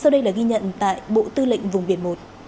tại bộ tư lệnh vùng biển một